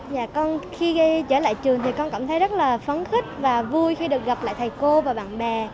nhà con khi trở lại trường thì con cảm thấy rất là phấn khích và vui khi được gặp lại thầy cô và bạn bè